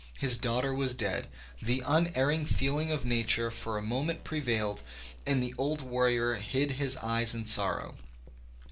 His daughter was dead. The unerring feeling of nature for a moment pre vailed and the old warrior hid his eyes in sorrow."